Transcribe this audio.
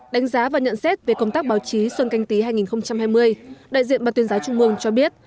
đánh giá và nhận xét về công tác báo chí xuân canh tí hai nghìn hai mươi đại diện ban tuyên giáo trung mương cho biết